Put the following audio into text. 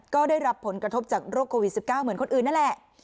ก็ได้รับผลกระทบจากโรคโควิด๑๙เหมือนคนอื่นนั่นแหละ